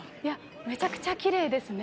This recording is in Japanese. めちゃくちゃきれいですね。